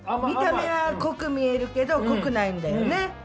見た目は濃く見えるけど濃くないんだよね。